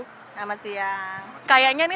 selamat siang kayaknya ini